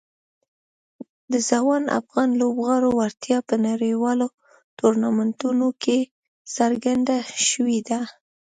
د ځوان افغان لوبغاړو وړتیا په نړیوالو ټورنمنټونو کې څرګنده شوې ده.